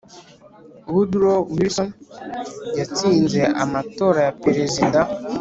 woodrow wilson yatsinze amatora ya perezida